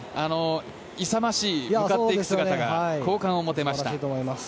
勇ましい向かっていく姿が好感を持てました。